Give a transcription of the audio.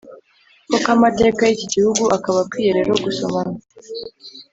koko amateka y'iki gihugu, akaba akwiye rero gusomana